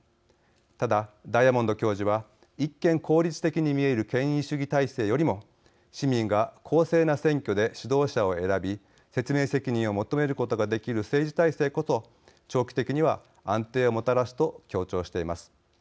ただ、ダイアモンド教授は一見効率的に見える権威主義体制よりも市民が公正な選挙で指導者を選び説明責任を求めることができる政治体制こそ、長期的には安定をもたらすと強調しています。